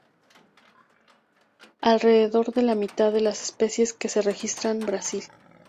Alrededor de la mitad de las especies que se registran Brasil.